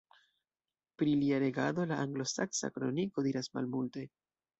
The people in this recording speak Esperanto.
Pri lia regado la Anglosaksa Kroniko diras malmulte.